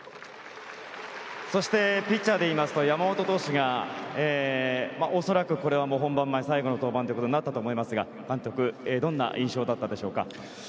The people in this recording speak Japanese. ピッチャーで言いますと山本投手が恐らく本番前最後の登板になったと思いますがどんな印象だったでしょうか。